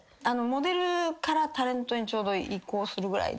モデルからタレントにちょうど移行するぐらいで。